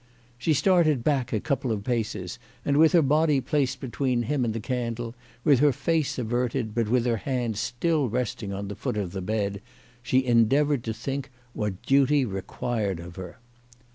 She started back a couple of paces, and with her body placed between him and the candle, with her face averted, but with her hand still resting on the foot of the bed, she endea voured to think what duty required of her.